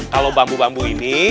kalau bambu bambu ini